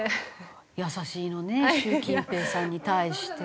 優しいのね習近平さんに対して。